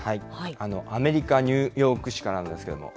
アメリカ・ニューヨーク市からなんですけれども。